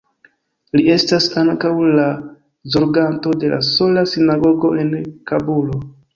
Li estas ankaŭ la zorganto de la sola sinagogo en Kabulo.